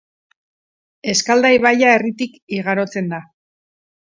Eskalda ibaia herritik igarotzen da.